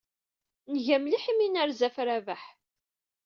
Nga mliḥ imi ay nerza ɣef Rabaḥ.